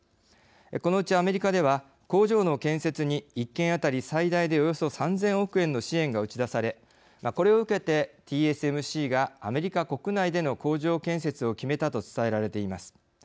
このうちアメリカでは工場の建設に１件当たり最大でおよそ３０００億円の支援が打ち出されこれを受けてＴＳＭＣがアメリカ国内での工場建設を決めたと伝えられています。